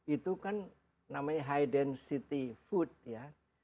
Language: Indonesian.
itu kan namanya high density food ya